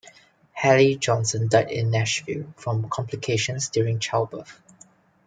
Halle Johnson died in Nashville from complications during childbirth.